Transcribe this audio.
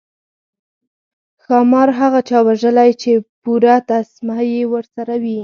ښامار هغه چا وژلی چې پوره تسمه یې ورسره وي.